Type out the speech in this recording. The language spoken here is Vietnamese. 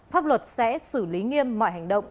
pháp luật sẽ xử lý nghiêm mọi hành động